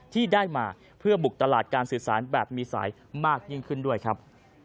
ที่ได้มาเพื่อบุกตลาดการสื่อสารแบบมีสายมากยิ่งขึ้นด้วยครับ